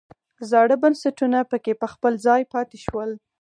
زاړه بنسټونه پکې په خپل ځای پاتې شول.